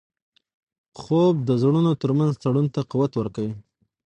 خوب د زړونو ترمنځ تړون ته قوت ورکوي